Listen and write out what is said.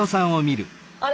あれ？